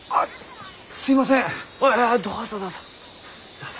どうぞ。